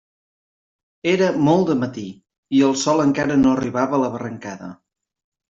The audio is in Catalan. Era molt de matí i el sol encara no arribava a la barrancada.